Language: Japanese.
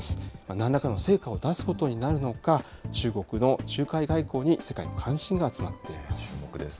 なんらかの成果を出すことになるのか、中国の仲介外交に世界の関心が集まっています。